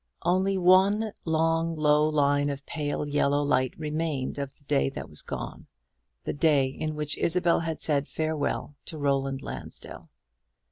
Only one long low line of pale yellow light remained of the day that was gone! the day in which Isabel had said farewell to Roland Lansdell!